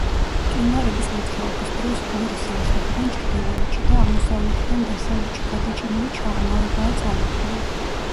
მყინვარების მოძრაობის დროს ორი სამხრეთიდან ჩრდილოეთში და აღმოსავლეთიდან დასავლეთში გადაჭიმული ჩაღრმავებაა წარმოქმნილი.